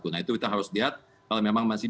nah itu kita harus lihat kalau memang masih